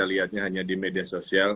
lihatnya hanya di media sosial